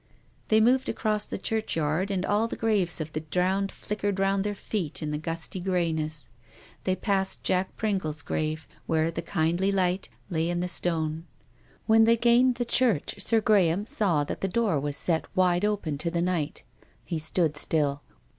They moved across the churchyard, and all the graves of the drowned flickered round their feet in the gusty greyness. They passed Jack Pringle's grave, where the " Kindly Light " lay in the stone. When they gained the church Sir Graham saw that the door was set wide open to the night. He stood still.